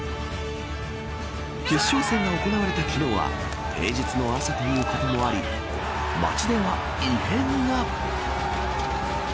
決勝戦が行われた昨日は平日の朝ということもあり街では異変が。